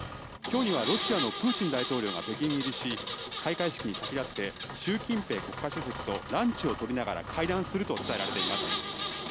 今日にはロシアのプーチン大統領が北京入りし開会式に先立って習近平国家主席とランチを取りながら会談すると伝えられています。